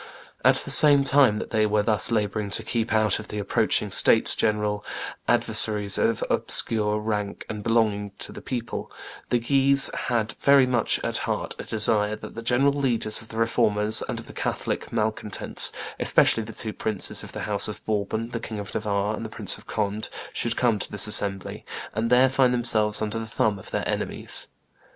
At the same time that they were thus laboring to keep out of the approaching states general adversaries of obscure rank and belonging to the people, the Guises had very much at heart a desire that the great leaders of the Reformers and of the Catholic malcontents, especially the two princes of the house of Bourbon, the King of Navarre and the Prince of Conde, should come to this assembly, and there find themselves under the thumb of their enemies.